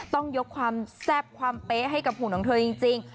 ต้องยกความแซ่บความเป๊ะให้กับหุ่นของเธอจริง